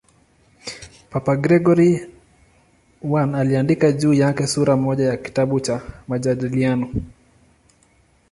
Papa Gregori I aliandika juu yake sura moja ya kitabu cha "Majadiliano".